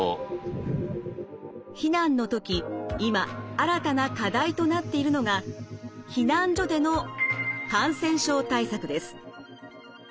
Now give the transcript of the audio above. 避難の時今新たな課題となっているのが避難所での感染症対策です。